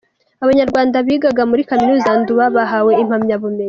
Abanyarwanda bigaga muri Kaminuza ya Nduba bahawe impamyabumenyi